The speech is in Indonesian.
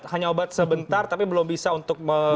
hanya obat sebentar tapi belum bisa untuk menamukkan akarnya